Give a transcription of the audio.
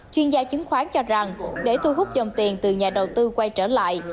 chuyên gia chứng khoán cho rằng để thu hút dòng tiền từ nhà đầu tư quay trở lại